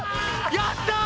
やったー！